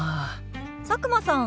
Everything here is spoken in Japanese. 佐久間さん